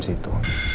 jadi dia bisa